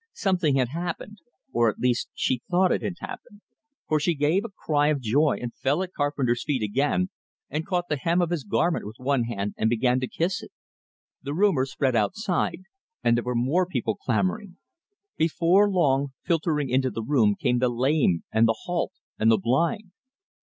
Something had happened, or at least she thought it had happened, for she gave a cry of joy, and fell at Carpenter's feet again, and caught the hem of his garment with one hand and began to kiss it. The rumor spread outside, and there were more people clamoring. Before long, filtering into the room, came the lame, and the halt, and the blind.